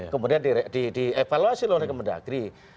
kemudian dievaluasi oleh kemendagri